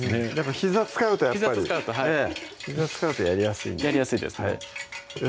ひざ使うとやっぱりひざ使うとはいひざ使うとやりやすいんでやりやすいですねよ